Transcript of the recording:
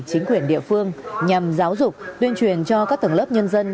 chính quyền địa phương nhằm giáo dục tuyên truyền cho các tầng lớp nhân dân